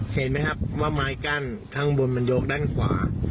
เห็นไหมครับว่าไม้กั้นข้างบนมันยกด้านขวา